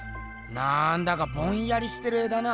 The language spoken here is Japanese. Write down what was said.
なんだかぼんやりしてる絵だな。